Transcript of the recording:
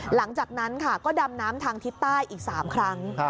หลังจากนั้นค่ะก็ดำน้ำทางทิศใต้อีก๓ครั้ง